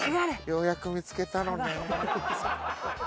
ようやく見つけたのねん。